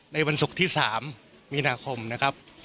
ในวันศุกร์ที่๓มีนาคมนะครับ